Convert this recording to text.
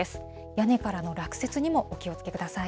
屋根からの落雪にもお気をつけください。